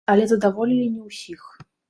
Але задаволілі не ўсіх.